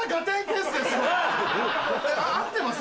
合ってます？